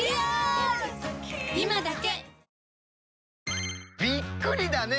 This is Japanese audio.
今だけ！